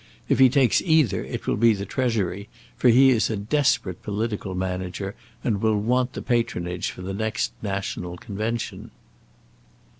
If he takes either it will be the Treasury, for he is a desperate political manager, and will want the patronage for the next national convention."